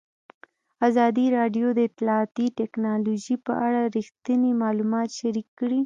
ازادي راډیو د اطلاعاتی تکنالوژي په اړه رښتیني معلومات شریک کړي.